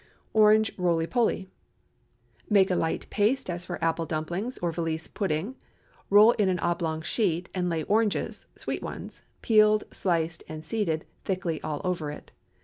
ORANGE ROLEY POLEY. ✠ Make a light paste as for apple dumplings or valise pudding, roll in an oblong sheet, and lay oranges (sweet ones), peeled, sliced, and seeded, thickly all over it.